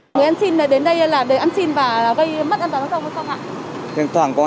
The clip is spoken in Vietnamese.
người ăn xin đến đây là để ăn xin và gây mất an toàn giao thông không ạ